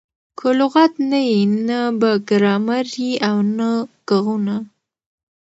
که لغت نه يي؛ نه به ګرامر يي او نه ږغونه.